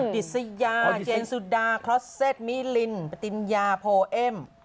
ดิสยาเจนสุดาคลอสเซตมิลินปติญญาโพเอ็ม